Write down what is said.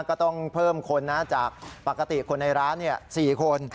ก็ต้องเพิ่มคนนะจากปกติคนในร้าน๔คน